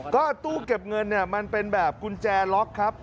ก็ตู้เก็บเงินเนี่ยมันเป็นแบบกุญแจล็อกครับ